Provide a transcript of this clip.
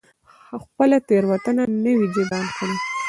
خپله تېروتنه نه وي جبران کړې.